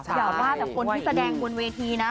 จริงเพราะคนที่แสดงบนเวทีนะ